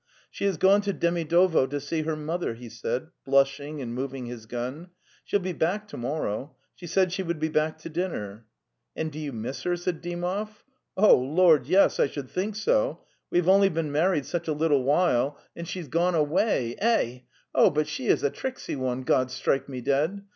'She has gone to Demidovo to see her mother," he said, blushing and moving his gun. " She'll be back to morrow. ... She said she would be back to dinner." '* And do you miss her?" said Dymov. ""Oh, Lord, yes; I should think so. We have only been married such a little while, and she has The Steppe 259 gone away... . Eh! Oh, but she is a tricksy one, God strike me dead!